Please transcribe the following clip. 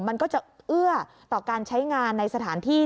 มันก็จะเอื้อต่อการใช้งานในสถานที่